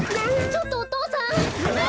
ちょっとお父さん。